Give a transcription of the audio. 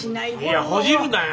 いやほじるなよ。